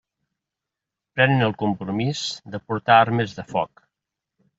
Prenen el compromís de portar armes de foc.